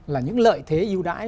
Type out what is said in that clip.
là những lợi thế yêu đãi